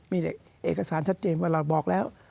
มีเอกสารชัดเจนว่าเราบอกแล้ว